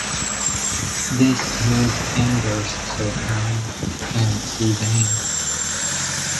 This move angers Soham and Suzanne.